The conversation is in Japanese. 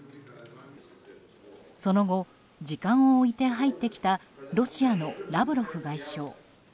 その後、時間を置いて入ってきたロシアのラブロフ外相。